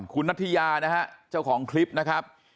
คุณนัทยานะฮะเจ้าของคลิปนะครับ